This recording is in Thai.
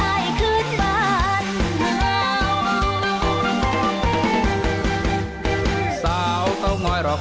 เอาไว้กันเลยค่ะเอาไว้กันเลยค่ะ